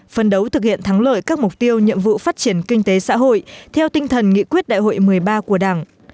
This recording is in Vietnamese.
phân đấu thực hiện thắng lợi các mục tiêu nhiệm vụ phát triển kinh tế xã hội theo tinh thần nghị quyết đại hội một mươi ba của đảng